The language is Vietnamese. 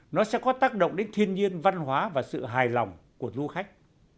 nó sẽ có tác động đến thiên nhiên văn hóa và sự hài lòng của du khách